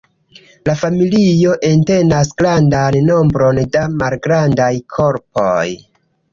La familio entenas grandan nombron da malgrandaj korpoj.